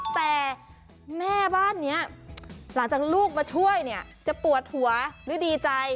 แต่แม่บ้านนี้หลังจากลูกมาช่วยเนี่ยจะปวดหัวหรือดีใจ